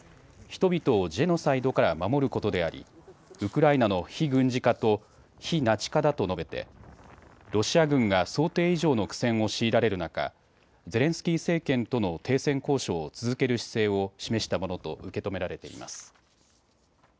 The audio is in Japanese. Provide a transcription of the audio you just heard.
人々をジェノサイドから守ることでありウクライナの非軍事化と非ナチ化だと述べてロシア軍が想定以上の苦戦を強いられる中、ゼレンスキー政権との停戦交渉を続ける姿勢を示したものと受け止められています。